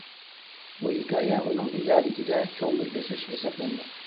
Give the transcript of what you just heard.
بۇ ھېكايە ئۇنىڭ ئىجادىيىتىدە چوڭ بىر بۆسۈش ھېسابلىنىدۇ.